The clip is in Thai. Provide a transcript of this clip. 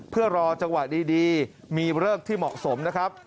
เพื่อรอจังหวะดีมีเลิกที่เหมาะสมนะครับ